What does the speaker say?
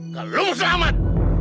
kalau lo mau selamat